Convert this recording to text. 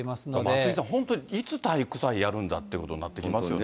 松井さん、本当、いつ体育祭やるんだっていうことになってきますよね。